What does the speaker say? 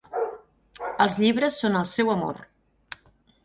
Els llibres són el seu amor.